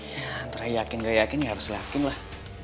ya antara yakin gak yakin ya harus yakin lah